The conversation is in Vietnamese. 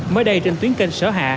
mới đây trên tuyến kênh sở hạ